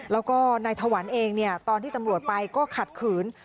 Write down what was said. แล้วก็นายถวันเองตอนที่ตำรวจไปก็ขัดขืน